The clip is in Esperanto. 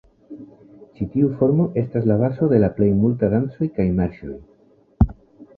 Ĉi tiu formo estas la bazo de la plej multaj dancoj kaj marŝoj.